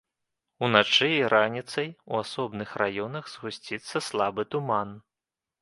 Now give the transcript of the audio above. Уначы і раніцай у асобных раёнах згусціцца слабы туман.